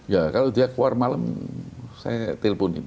ya kalau dia keluar malam saya teleponin